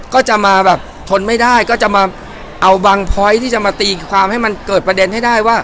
ก็จะมาแบบทนไม่ได้ก็จะมาเอาบังพอยต์ที่จะมาตีความให้มันเกิดประเด็นให้ได้ว่า